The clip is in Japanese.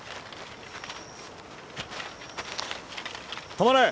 止まれ！